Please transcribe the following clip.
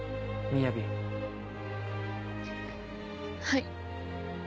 はい。